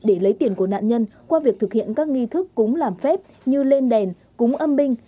để lấy tiền của nạn nhân qua việc thực hiện các nghi thức cúng làm phép như lên đèn cúng âm binh